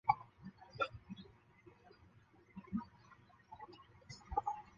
让人心里留下恐惧的阴影